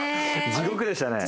地獄でしたね。